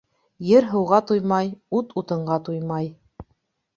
Ер һыуға туймай, ут утынға туймай.